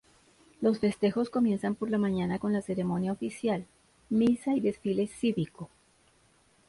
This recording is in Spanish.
Los festejos comienzan por la mañana con la ceremonia oficial, misa y desfile cívico.